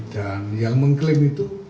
dan yang mengklaim itu